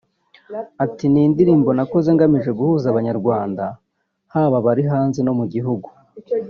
Ati “Ni indirimbo nakoze ngamije guhuza Abanyarwanda haba abari hanze no mu gihugu